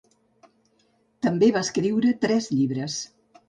També va escriure tres llibres.